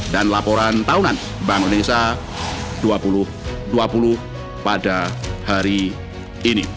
dan laporan tahunan bank indonesia dua ribu dua puluh pada hari ini